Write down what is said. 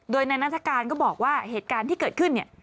โดยนายนัฐกาลก็บอกว่าเหตุการณ์ที่เกิดขึ้นเนี่ย